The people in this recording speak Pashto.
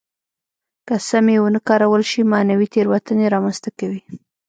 که سمې ونه کارول شي معنوي تېروتنې را منځته کوي.